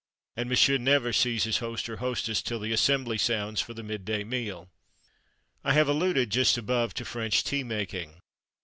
And M'sieu never sees his host or hostess till the "assembly" sounds for the midday meal. I have alluded, just above, to French tea making.